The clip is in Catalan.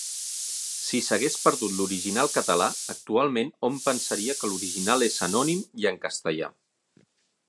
Si s'hagués perdut l'original català, actualment hom pensaria que l'original és anònim i en castellà.